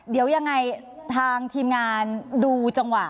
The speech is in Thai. เดี๋ยวยังไงทางทีมงานดูจังหวะ